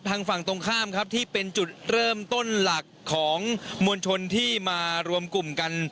ฝั่งตรงข้ามครับที่เป็นจุดเริ่มต้นหลักของมวลชนที่มารวมกลุ่มกัน